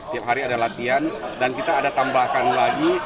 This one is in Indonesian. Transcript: tiap hari ada latihan dan kita ada tambahan lagi